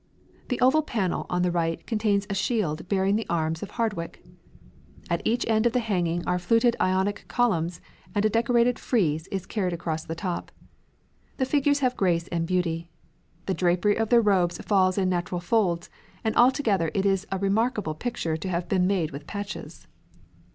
The oval panel on the right contains a shield bearing the arms of Hardwick." At each end of the hanging are fluted Ionic columns, and a decorated frieze is carried across the top. The figures have grace and beauty; the drapery of their robes falls in natural folds; and altogether it is a remarkable picture to have been made with patches.